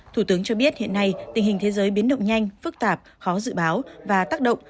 thủ tướng cho biết hiện nay tình hình thế giới biến động nhanh phức tạp khó dự báo và tác động